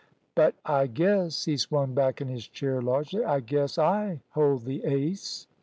But I guess" he swung back in his chair largely "I guess I hold the ace."